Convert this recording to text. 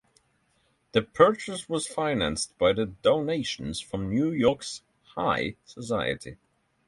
The purchase was financed by the donations from New York's high society.